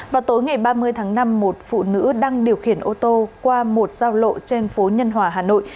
vào tối ngày ba mươi tháng năm một phụ nữ đang điều khiển ô tô qua một giao lộ trên phố nhân hòa hà nội